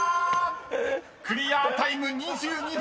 ［クリアタイム２２秒６７］